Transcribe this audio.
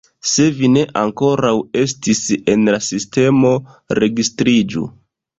Se vi ne ankoraŭ estis en la sistemo, registriĝu.